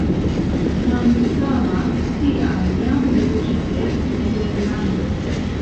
Manusama tiam jam loĝis en Nederlando.